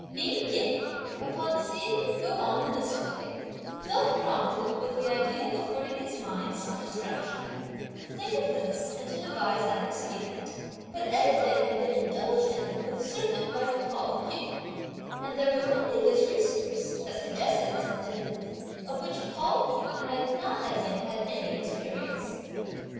Ming Yen, upon seeing him go on in this way, felt prompted, with the idea of affording his mind some distraction, to think of this and to devise that expedient; but everything had been indulged in with surfeit by Pao yü, and there was only this resource, (that suggested itself to him,) of which Pao yü had not as yet had any experience.